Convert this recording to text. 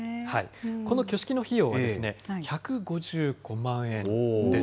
この挙式の費用は１５５万円です。